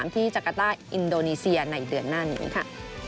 ที่จักรต้าอินโดนีเซียในเดือนหน้านี้ค่ะ